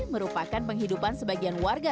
merupakan penghidupan sebagian warga